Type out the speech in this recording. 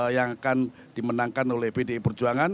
yang akan dimenangkan oleh pdi perjuangan